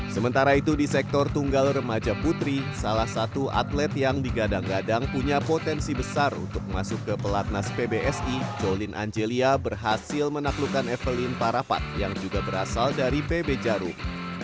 sementara itu di sektor tunggal remaja putri salah satu atlet yang digadang gadang punya potensi besar untuk masuk ke pelatnas pbsi jolin angelia berhasil menaklukkan evelyn parapat yang juga berasal dari pb jarum